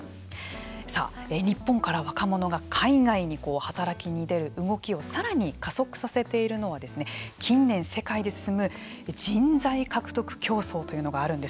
さあ、日本から若者が海外に働きに出る動きをさらに加速させているのは近年世界で進む人材獲得競争というのがあるんです。